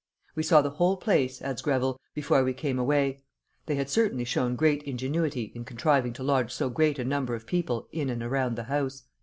"We saw the whole place," adds Greville, "before we came away; they had certainly shown great ingenuity in contriving to lodge so great a number of people in and around the house.